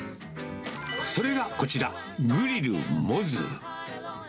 それがこちら、グリル百舌。